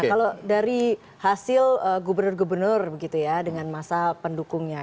kalau dari hasil gubernur gubernur dengan masa pendukungnya